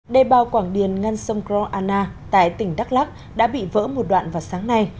đề bào quảng điền ngăn sông kro anna tại tỉnh đắk lắc đã bị vỡ một đoạn vào sáng nay